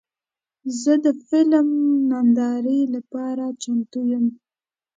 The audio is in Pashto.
زه د فلم نندارې لپاره چمتو یم.